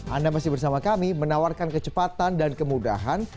anda masih bersama kami menawarkan kecepatan dan kemudahan